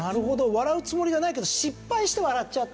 笑うつもりはないけど失敗して笑っちゃった。